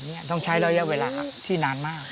อันนี้ต้องใช้ระยะเวลาที่นานมาก